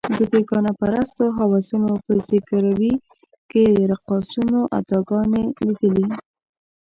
د بېګانه پرستو هوسونو په ځګیروي کې یې رقاصانو اداګانې لیدلې.